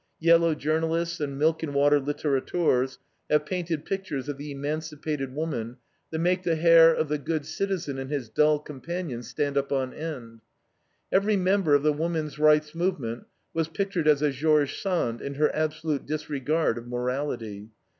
Yellow journalists and milk and water litterateurs have painted pictures of the emancipated woman that make the hair of the good citizen and his dull companion stand up on end. Every member of the woman's rights movement was pictured as a George Sand in her absolute disregard of morality.